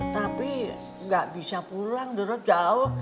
tapi gak bisa pulang dorot jauh